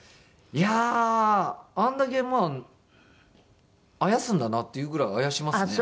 いやああれだけまああやすんだなっていうぐらいあやしますね。